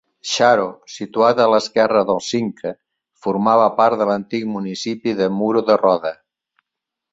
Xaro, situat a l'esquerra del Cinca, formava part de l'antic municipi de Muro de Roda.